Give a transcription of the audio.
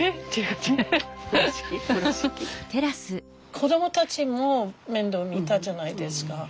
子どもたちも面倒見たじゃないですか。